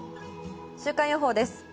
週間予報です。